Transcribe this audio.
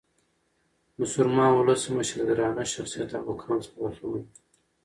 مسلمان اولس مشر د درانه شخصیت او مقام څخه برخمن يي.